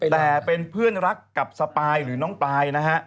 แต่เป็นเพื่อนรักกับสปายหรือน้องปลายนะฮะ